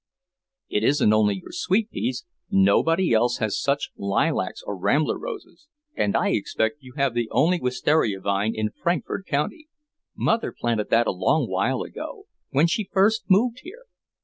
"It isn't only your sweet peas. Nobody else has such lilacs or rambler roses, and I expect you have the only wistaria vine in Frankfort county." "Mother planted that a long while ago, when she first moved here.